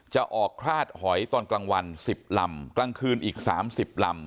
จะออกคราดหอยตอนกลางวัน๑๐ลำกลางคืนอีก๓๐ลำ